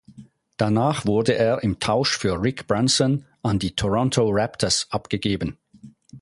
Danach wurde er im Tausch für Rick Brunson an die Toronto Raptors abgegeben.